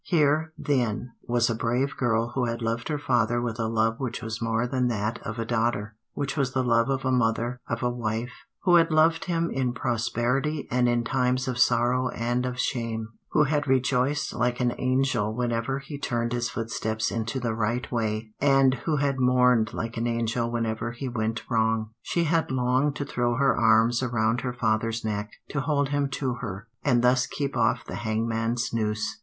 Here, then, was a brave girl who had loved her father with a love which was more than that of a daughter, which was the love of a mother, of a wife; who had loved him in prosperity and in times of sorrow and of shame; who had rejoiced like an angel whenever he turned his footsteps into the right way, and who had mourned like an angel whenever he went wrong. She had longed to throw her arms around her father's neck, to hold him to her, and thus keep off the hangman's noose.